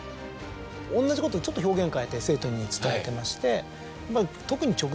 同じことをちょっと表現を変えて生徒に伝えてまして。